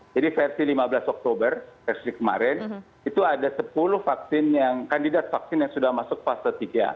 jadi versi lima belas oktober versi kemarin itu ada sepuluh kandidat vaksin yang sudah masuk fase tiga